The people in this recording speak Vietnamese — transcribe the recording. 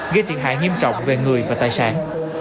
gây thiệt hại nghiêm trọng về người và tài sản